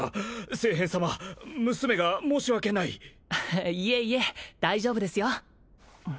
聖変様娘が申し訳ないいえいえ大丈夫ですよ